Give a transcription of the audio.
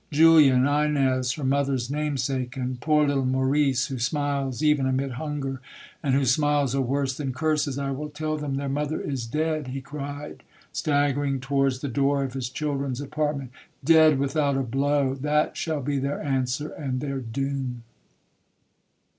Julia, and Ines her mother's namesake,—and poor little Maurice, who smiles even amid hunger, and whose smiles are worse than curses!—I will tell them their mother is dead!' he cried, staggering towards the door of his children's apartment 'Dead without a blow!—that shall be their answer and their doom.'